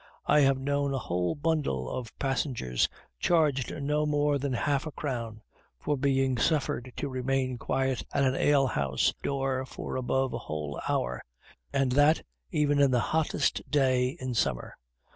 I have known a whole bundle of passengers charged no more than half a crown for being suffered to remain quiet at an ale house door for above a whole hour, and that even in the hottest day in summer.